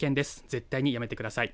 絶対にやめてください。